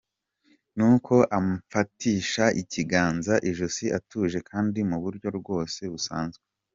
Nuko amfatisha ikiganza ijosi atuje kandi mu buryo rwose busanzwe.